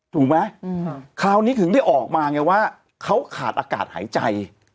ถูกไหมคราวนี้ถึงได้ออกมาไงว่าเขาขาดอากาศหายใจ